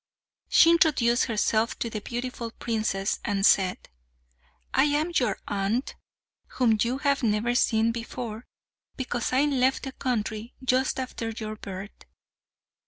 She introduced herself to the beautiful princess and said, "I am your aunt, whom you have never seen before, because I left the country just after your birth."